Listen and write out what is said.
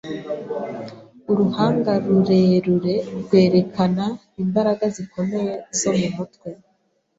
Uruhanga rurerure rwerekana imbaraga zikomeye zo mumutwe.